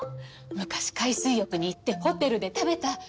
昔海水浴に行ってホテルで食べた。